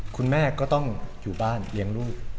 คุณแม่ก็ต้องอยู่บ้านเลี้ยงลูก